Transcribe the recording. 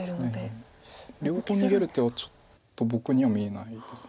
両方逃げる手はちょっと僕には見えないです。